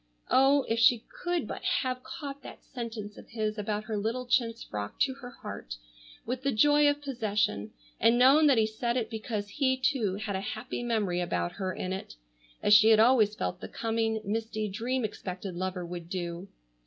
Oh, if she could but have caught that sentence of his about her little chintz frock to her heart with the joy of possession, and known that he said it because he too had a happy memory about her in it, as she had always felt the coming, misty, dream expected lover would do!